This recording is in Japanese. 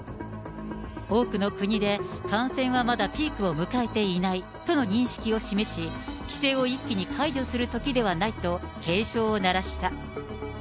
多くの国で感染はまだピークを迎えていないとの認識を示し、規制を一気に解除するときではないと警鐘を鳴らした。